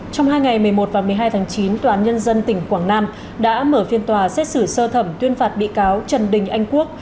trong hai ngày một mươi một và một mươi hai tháng chín tòa án nhân dân tỉnh quảng nam đã mở phiên tòa xét xử sơ thẩm tuyên phạt bị cáo trần đình anh quốc